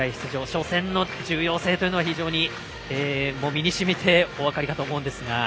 初戦の重要性というのは非常に、身にしみてお分かりだと思いますが。